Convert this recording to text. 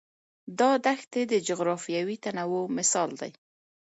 دا دښتې د جغرافیوي تنوع مثال دی.